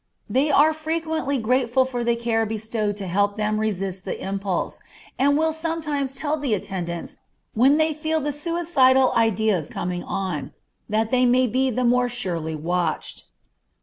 They are frequently grateful for the care bestowed to help them resist the impulse, and will sometimes tell the attendants when they feel the suicidal ideas coming on, that they may be the more surely watched.